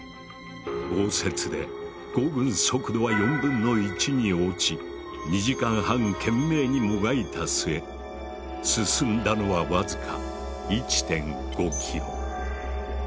豪雪で行軍速度は４分の１に落ち２時間半懸命にもがいた末進んだのはわずか１．５ｋｍ。